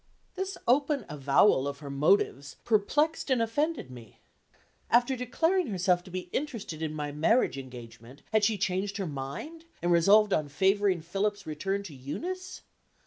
This open avowal of her motives perplexed and offended me. After declaring herself to be interested in my marriage engagement had she changed her mind, and resolved on favoring Philip's return to Eunice?